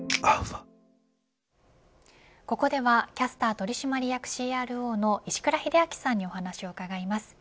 ここではキャスター取締役ＣＲＯの石倉秀明さんにお話を伺います。